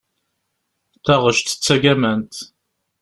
Taɣect d tagamant.